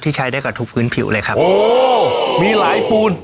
ใช้ได้กับทุกพื้นผิวเลยครับโอ้มีหลายปูน